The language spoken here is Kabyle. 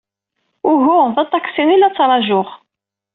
Uhu, d aṭaksi ay la ttṛajuɣ.